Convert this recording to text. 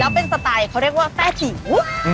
แล้วเป็นสไตล์เขาเรียกว่าแฟ่จิ๋ว